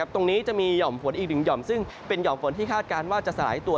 ตรงนี้จะมีห่อมฝนอีกหนึ่งห่อมซึ่งเป็นห่อมฝนที่คาดการณ์ว่าจะสลายตัว